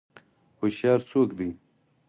هوشیار څوک دی؟